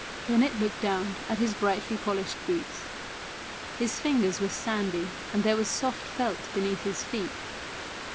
Bennett looked down at his brightly polished boots. His fingers were sandy and there was soft felt beneath his feet.